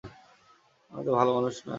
আমি তো ভালো মানুষ না।